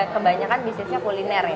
kebanyakan bisnisnya kuliner ya